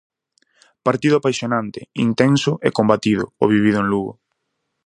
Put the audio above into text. Partido apaixonante, intenso e combatido o vivido en Lugo.